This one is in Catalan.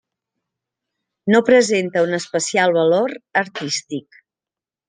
No presenta un especial valor artístic.